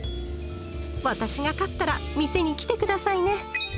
「私が勝ったら店に来て下さいね！」。